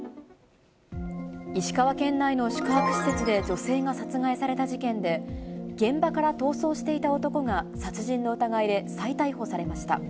石川県内の宿泊施設で女性が殺害された事件で、現場から逃走していた男が殺人の疑いで再逮捕されました。